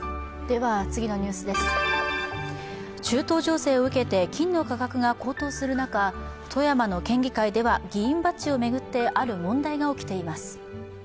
中東情勢を受けて金の価格が高騰する中、富山の県議会では議員バッジを巡ってある問題が起きています。